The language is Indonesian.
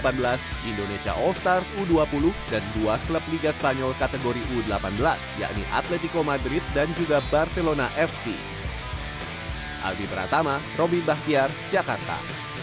pertandingan yang bertujuan sebagai persahabatan ini juga dimaksudkan dengan kebaikan dalam pertandingan yang terjadi di atas kota